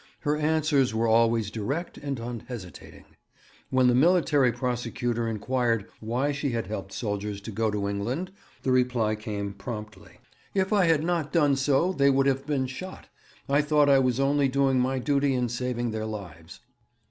Her answers were always direct and unhesitating. When the Military Prosecutor inquired why she had helped soldiers to go to England, the reply came promptly: 'If I had not done so they would have been shot. I thought I was only doing my duty in saving their lives.'